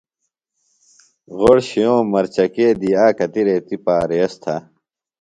غوۡڑ شِیوم مرچکئی دی آ کتیۡ ریتیۡ پاریز تھہ۔